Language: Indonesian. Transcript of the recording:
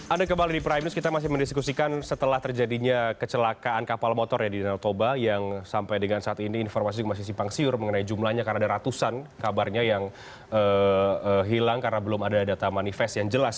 ada kembali di prime news kita masih mendiskusikan setelah terjadinya kecelakaan kapal motor ya di danau toba yang sampai dengan saat ini informasi masih simpang siur mengenai jumlahnya karena ada ratusan kabarnya yang hilang karena belum ada data manifest yang jelas